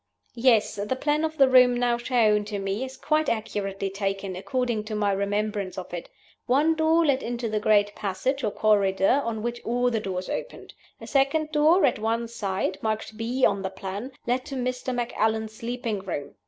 "Yes: the plan of the room now shown to me is quite accurately taken, according to my remembrance of it. One door led into the great passage, or corridor, on which all the doors opened. A second door, at one side (marked B on the plan), led to Mr. Macallan's sleeping room.